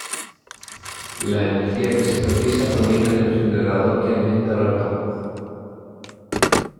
La energía que se precisa proviene del generador que alimenta el altavoz.